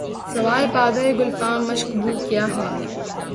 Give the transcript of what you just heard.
سوائے بادۂ گلفام مشک بو کیا ہے